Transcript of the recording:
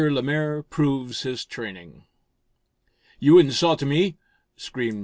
LEMAIRE PROVES HIS TRAINING "You insult me!" screamed M.